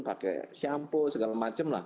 pakai shampo segala macam lah